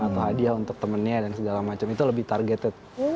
atau hadiah untuk temennya dan segala macam itu lebih targeted